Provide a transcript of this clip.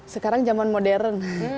sekarang zaman modern